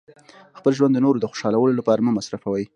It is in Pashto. خپل ژوند د نورو د خوشحالولو لپاره مه مصرفوئ.